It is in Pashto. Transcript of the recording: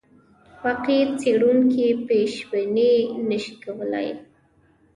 واقعي څېړونکی پیشبیني نه شي کولای.